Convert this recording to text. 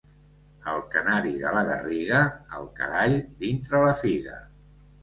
El canari de la Garriga, el carall dintre la figa.